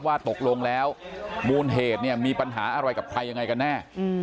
ว่าตกลงแล้วมูลเหตุเนี่ยมีปัญหาอะไรกับใครยังไงกันแน่